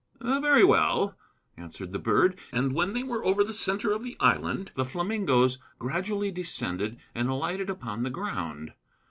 "Very well," answered the bird; and when they were over the center of the island the flamingoes gradually descended and alighted upon the ground.